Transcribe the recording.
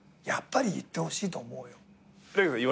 やっぱり言ってほしいと思うよ。